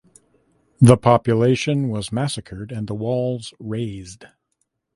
The population was massacred and the walls razed.